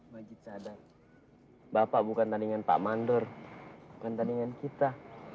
majid sadar bapak bukan tandingan pak mandor bukan tandingan kita